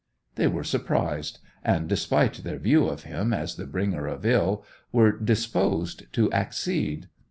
They were surprised, and, despite their view of him as the bringer of ill, were disposed to accede.